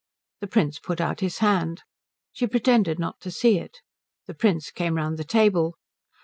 The Prince put out his hand. She pretended not to see it. The Prince came round the table.